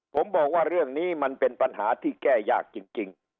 ผมบอกว่าเรื่องนี้มันเป็นปัญหาที่แก้ยากจริง